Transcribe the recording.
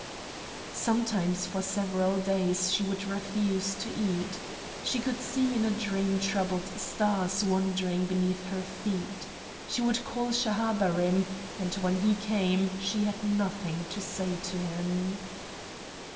Sometimes for several days she would refuse to eat. She could see in a dream troubled stars wandering beneath her feet. She would call Schahabarim, and when he came she had nothing to say to him.